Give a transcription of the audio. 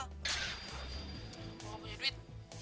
kok lo punya duit